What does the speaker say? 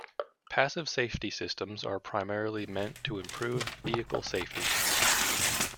Passive safety systems are primarily meant to improve vehicle safety.